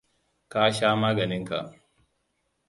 Ka sha maganin ka.